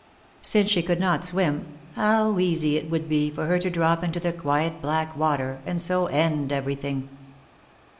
Since she could not swim, how easy it would be for her to drop into the quiet black water, and so end everything.